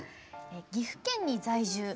岐阜県に在住。